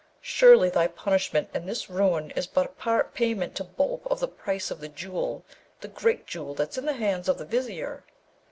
Surely thy punishment and this ruin is but part payment to Boolp of the price of the Jewel, the great Jewel that's in the hands of the Vizier.'